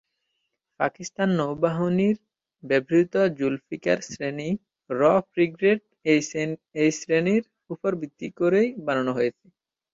পাকিস্তান নৌবাহিনীর ব্যবহৃত "জুলফিকার শ্রেণি"র ফ্রিগেট এই শ্রেণির উপর ভিত্তি করেই বানানো হয়েছে।